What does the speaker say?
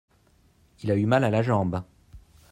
Il a eu mal à la jambe.